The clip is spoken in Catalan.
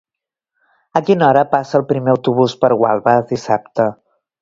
A quina hora passa el primer autobús per Gualba dissabte?